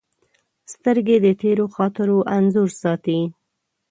سترګې د تېرو خاطرو انځور ساتي